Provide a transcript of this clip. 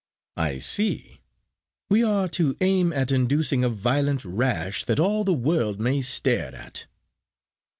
"I see; we are to aim at inducing a violent rash that all the world may stare at."